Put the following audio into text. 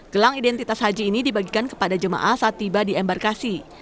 gelang identitas haji ini dibagikan kepada jemaah saat tiba di embarkasi